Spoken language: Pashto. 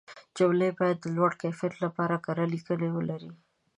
جملې باید د لوړ کیفیت لپاره کره لیکنې ولري.